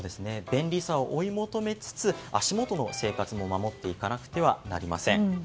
便利さを追い求めつつ足元の生活も守っていかなくてはなりません。